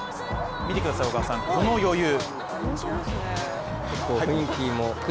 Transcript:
見てください、この余裕。